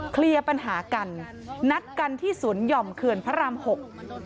เคลียร์ปัญหากันนัดกันที่สวนหย่อมเขื่อนพระรามหก